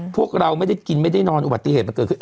พวกเราไม่ได้กินไม่ได้นอนอุบัติเหตุมันเกิดขึ้น